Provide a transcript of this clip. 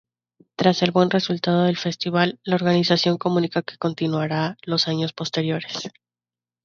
Tras el buen resultado del festival, la organización comunica que continuará los años posteriores.